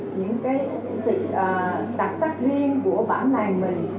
những cái đặc sắc riêng của bản làng mình